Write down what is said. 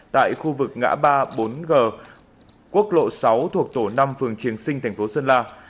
tại khu vực ngã ba bốn g quốc lộ sáu thuộc tỉnh sơn la